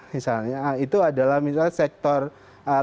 misalnya itu adalah sektor latarga